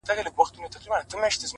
بې وسي!